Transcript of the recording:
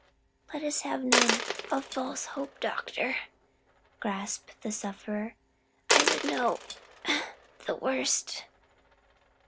"Let us have none of false hope, doctor," gasped the sufferer, "I would know the worst."